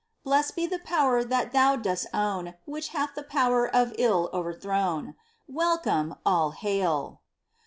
Blest be the power that thou dost own Which hath the power of ill o'erthrown ! Welcome, all hail